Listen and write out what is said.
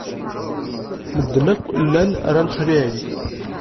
Medden akk llan ran Xali Ɛli.